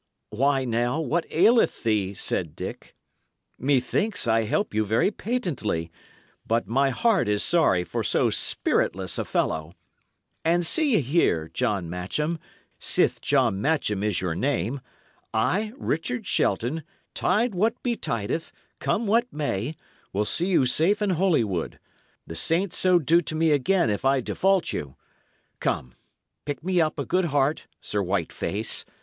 "Why, now, what aileth thee?" said Dick. "Methinks I help you very patently. But my heart is sorry for so spiritless a fellow! And see ye here, John Matcham sith John Matcham is your name I, Richard Shelton, tide what betideth, come what may, will see you safe in Holywood. The saints so do to me again if I default you. Come, pick me up a good heart, Sir White face.